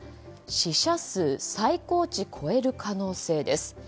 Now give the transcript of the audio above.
死者数最高値超える可能性です。